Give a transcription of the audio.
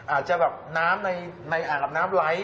อาจจะแบบอาบน้ำไล้